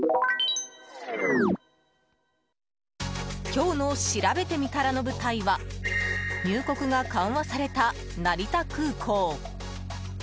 今日のしらべてみたらの舞台は入国が緩和された成田空港。